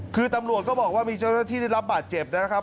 คือตำรวจก็บอกว่ามีเจ้าหน้าที่ได้รับบาดเจ็บนะครับ